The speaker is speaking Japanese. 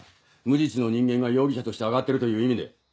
無実の人間が容疑者として挙がってるという意味で。